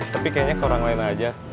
tapi kayaknya ke orang lain aja